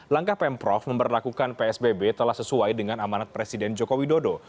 langkah pemprov memperlakukan psbb telah sesuai dengan amanat presiden joko widodo